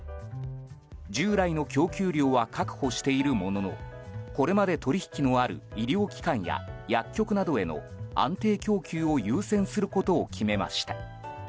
従来の供給量は確保しているもののこれまで取り引きのある医療機関や薬局などへの安定供給を優先することを決めました。